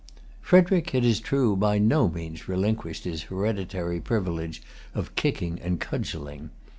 Frederic, it is true, by no means relinquished his hereditary privilege of kicking and cudgelling.